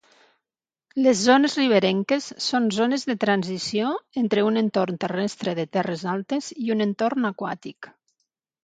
Les zones riberenques són zones de transició entre un entorn terrestre de terres altes i un entorn aquàtic.